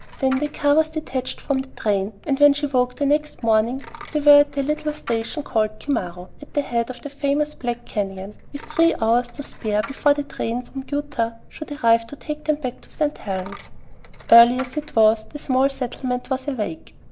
Then the car was detached from the train; and when she awoke next morning they were at the little station called Cimmaro, at the head of the famous Black Canyon, with three hours to spare before the train from Utah should arrive to take them back to St. Helen's. Early as it was, the small settlement was awake.